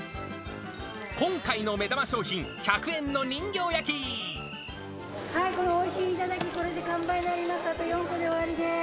今回の目玉商品、１００円のはい、これ、おいしい頂、これで完売になります、あと４個で終わりです。